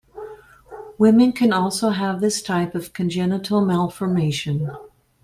Women can also have this type of congenital malformation.